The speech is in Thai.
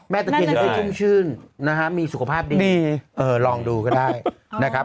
แม่ตะเคียนก็ชื่นนะครับมีสุขภาพดีเออลองดูก็ได้นะครับ